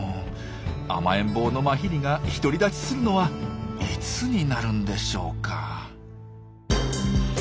甘えん坊のマヒリが独り立ちするのはいつになるんでしょうか？